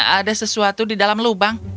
ada sesuatu di dalam lubang